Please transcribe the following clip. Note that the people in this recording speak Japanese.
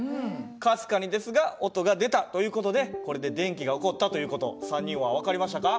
かすかにですが音が出たという事でこれで電気が起こったという事３人は分かりましたか？